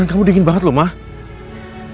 wiedita memang tidak khuelai saja